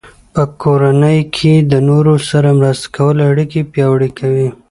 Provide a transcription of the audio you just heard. په کورنۍ کې د نورو سره مرسته کول اړیکې پیاوړې کوي.